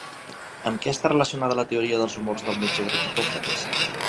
Amb què està relacionada la teoria dels humors del metge grec Hipòcrates?